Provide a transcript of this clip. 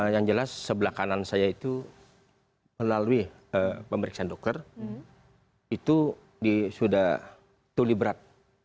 yang jelas sebelah kanan saya itu melalui pemeriksaan dokter itu sudah tuli berat